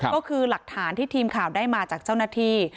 ก็คือหลักฐานที่ทีมข่าวได้มาจากเจ้าหน้าที่